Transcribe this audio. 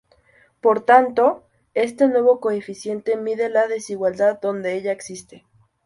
Por tanto, este nuevo coeficiente mide la desigualdad donde ella existe.